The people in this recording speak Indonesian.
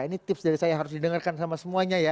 ini tips dari saya harus didengarkan sama semuanya ya